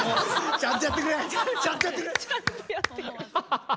ちゃんとやってくれ。